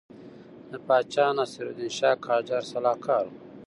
د پاچا ناصرالدین شاه قاجار سلاکار وو.